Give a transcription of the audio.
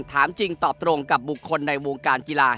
ถามจริงตอบตรงกับบุคคลในวงการกีฬา